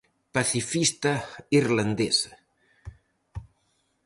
Pacifista irlandesa.